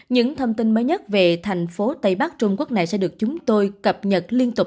những thông tin mới nhất về thành phố tây bắc trung quốc này sẽ được chúng tôi cập nhật liên tục